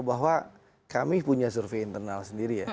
bahwa kami punya survei internal sendiri ya